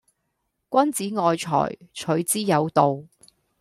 君子愛財，取之有道